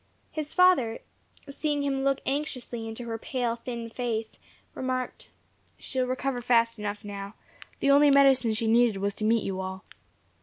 His father, seeing him look anxiously into her pale, thin face, remarked, "She will recover fast enough, now. The only medicine she needed was to meet you all."